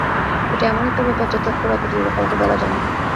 এটা এমন একটা ব্যাপার, যা চট করে অপরিচিত কাউকে বলা যায় না।